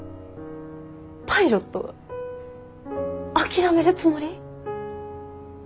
パイロット諦めるつもり？